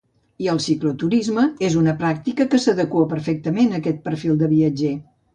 I el cicloturisme és una pràctica que s'adequa perfectament a aquest perfil de viatger.